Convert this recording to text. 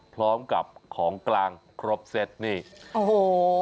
พร้อมกับของกลางครบเซตนี่โอ้โห